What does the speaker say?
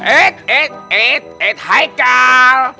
eh eh eh eh haikal